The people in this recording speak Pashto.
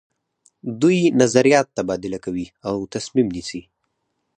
دوی نظریات تبادله کوي او تصمیم نیسي.